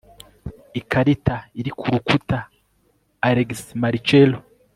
Ikarita iri ku rukuta alexmarcelo